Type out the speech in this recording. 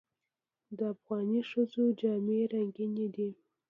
د افغاني ښځو جامې رنګینې دي.